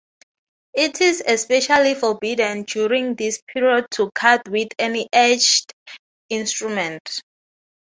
It is especially forbidden during this period to cut with any edged instrument.